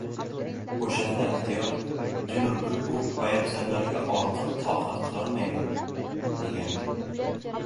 O‘shanda aktyor: “Jin urgur bu poyabzallarga ortiq toqat qilolmayman” degandi.